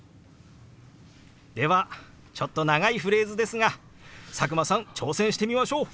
ではちょっと長いフレーズですが佐久間さん挑戦してみましょう！